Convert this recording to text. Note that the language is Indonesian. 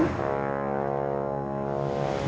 boleh bu in